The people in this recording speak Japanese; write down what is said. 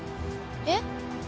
えっ？